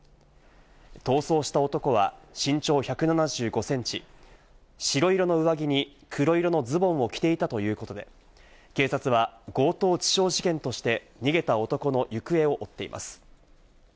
逃走した男は身長１７５センチ、白色の上着に黒色のズボンを着ていたということで、警察は強盗致傷事件として逃げた男の行方を追っています。